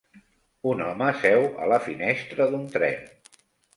Un home seu a la finestra d'un tren.